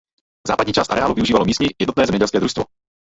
Západní část areálu využívalo místní jednotné zemědělské družstvo.